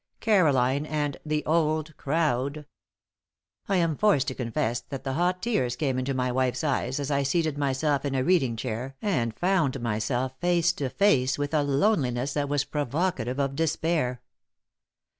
Caroline and "the Old Crowd!" I am forced to confess that the hot tears came into my wife's eyes as I seated myself in a reading chair and found myself face to face with a loneliness that was provocative of despair.